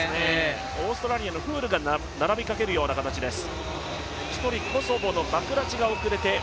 オーストラリアのフールが並びかけるような形です。